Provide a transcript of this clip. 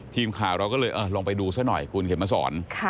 ทีมข่าวเราก็เลยลองไปดูซะหน่อยคุณเข็มมาสอน